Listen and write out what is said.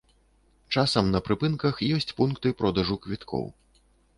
Часам на прыпынках ёсць пункты продажу квіткоў.